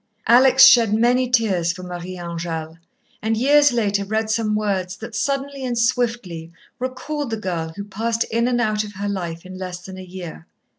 Alex shed many tears for Marie Angèle, and years later read some words that suddenly and swiftly recalled the girl who passed in and out of her life in less than a year.